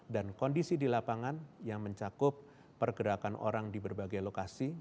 dan kondisi di lapangan yang mencakup pergerakan orang di berbagai lokasi